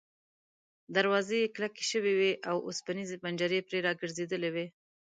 دروازې یې کلکې شوې وې او اوسپنیزې پنجرې پرې را ګرځېدلې وې.